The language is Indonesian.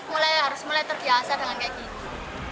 mulai harus mulai terbiasa dengan kayak gini